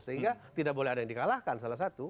sehingga tidak boleh ada yang dikalahkan salah satu